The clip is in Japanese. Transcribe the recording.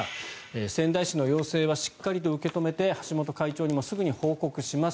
仙台市の要請はしっかりと受け止めて橋本会長にもすぐに報告します。